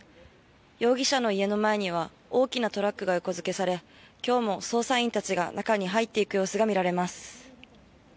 容疑者の家の前には大きなトラックが横付けされ今日も捜査員たちが中に入っていく様子が見られます。